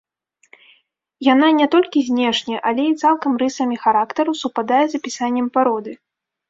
Яна не толькі знешне, але і цалкам рысамі характару супадае з апісаннем пароды!